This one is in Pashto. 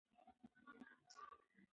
دوی په جرګه کې پر قرآن باندې سوګند وکړ.